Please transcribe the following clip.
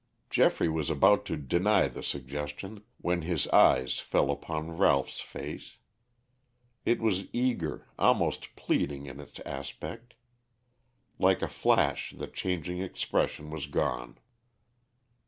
Geoffrey was about to deny the suggestion when his eyes fell upon Ralph's face. It was eager, almost pleading in its aspect. Like a flash the changing expression was gone.